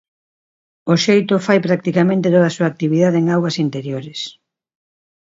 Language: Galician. O xeito fai practicamente toda a súa actividade en augas interiores.